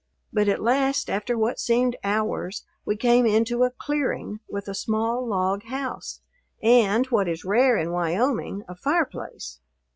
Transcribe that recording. But at last, after what seemed hours, we came into a "clearing" with a small log house and, what is rare in Wyoming, a fireplace.